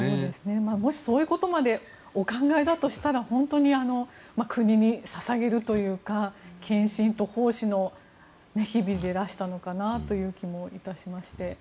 もし、そういうことまでお考えだとしたら本当に国に捧げるというか献身と奉仕の日々でいらしたのかなという気もいたしまして。